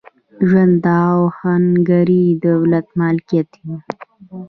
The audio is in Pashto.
ژرنده او اهنګري د دوی ملکیت و.